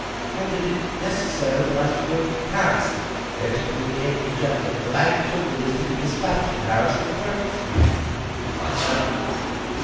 " rendered it necessary that I should go to Paris, there to communicate with a gentleman of the Bank, so good as to be despatched to Paris for the purpose." "Myself."